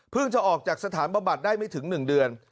เพิ่งจะออกจากสถานประบัติได้ไม่ถึง๑เดือน